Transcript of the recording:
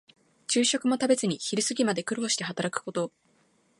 昼食も食べずに昼過ぎまで苦労して働くこと。